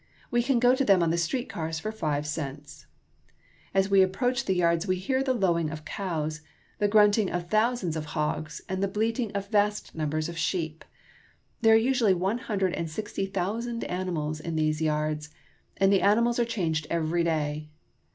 We can go to them on the street cars for five cents. As we approach the yards we hear the lowing of cows, the grunting of thousands of hogs, and the bleating of vast numbers of sheep. There are usually one hundred and sixty thousand animals in these yards, and the animals are changed every day.